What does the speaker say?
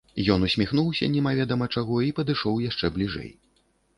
Ён усміхнуўся немаведама чаго і падышоў яшчэ бліжэй.